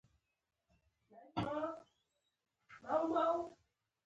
موږ بد واکمن د خپلې بېغورۍ له امله زېږوو.